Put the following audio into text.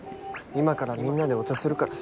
今からみんなでお茶するから。